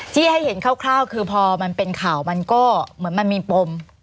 ที่ให้เห็นคร่าวคือพอมันเป็นข่าวมันก็เหมือนมันมีปม